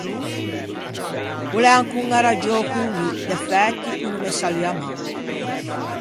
O l’é ancon arraggiou con mi, defæti o no me salua manco.